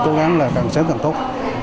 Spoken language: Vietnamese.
cố gắng là càng sớm càng tốt